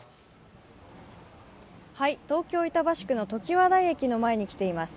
東京・板橋区のときわ台駅の前に来ています。